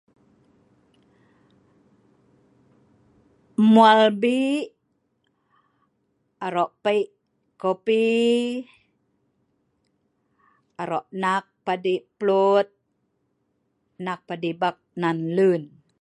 Mwal bei'aro'pi'kopi aro' nakk' padi plut nan lun.